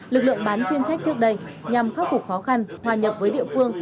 lực lượng bán chuyên trách trước đây nhằm khắc phục khó khăn hòa nhập với địa phương